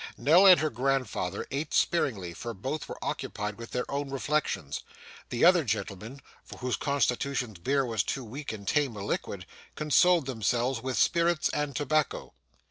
Nell and her grandfather ate sparingly, for both were occupied with their own reflections; the other gentlemen, for whose constitutions beer was too weak and tame a liquid, consoled themselves with spirits and tobacco.